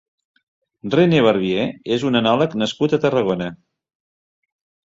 René Barbier és un enòleg nascut a Tarragona.